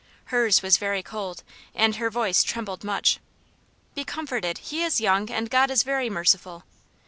Hers was very cold, and her voice trembled much. "Be comforted. He is young, and God is very merciful."